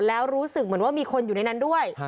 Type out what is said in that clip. แล้วรู้สึกเหมือนว่ามีคนอยู่ในนั้นด้วย